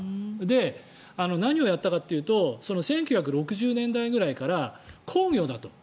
何をやったかというと１９６０年代くらいから工業だと。